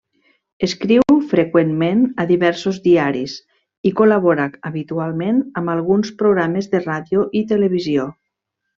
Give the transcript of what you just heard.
Escriu freqüentment a diversos diaris, i col·labora habitualment amb alguns programes de ràdio i televisió.